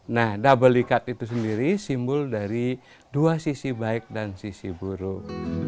nah double ikat itu sendiri simbol dari dua sisi baik dan sisi buruk